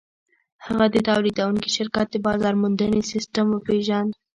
هغه د تولیدوونکي شرکت د بازار موندنې سیسټم وپېژند